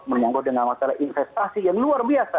menyangkut dengan masalah investasi yang luar biasa